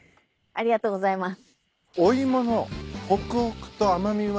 ありがとうございます。